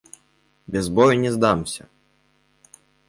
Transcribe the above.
Без бою не здамся!